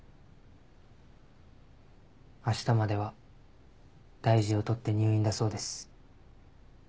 明日までは大事を取って入院だそうです。